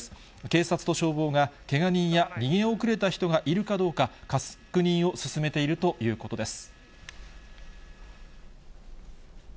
警察と消防がけが人や逃げ遅れた人がいるかどうか、確認を進めているということです。